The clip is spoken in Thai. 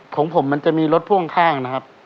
ของผมมันจะมีรถพ่วงข้างนะครับ